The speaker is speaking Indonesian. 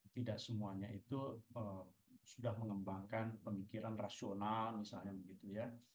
tidak semuanya itu sudah mengembangkan pemikiran rasional misalnya begitu ya